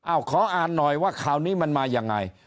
ขออ่านหน่อยว่าข่าวนี้มันมายังไง